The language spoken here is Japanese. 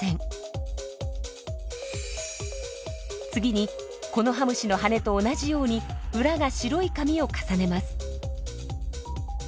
次にコノハムシの羽と同じように裏が白い紙を重ねます。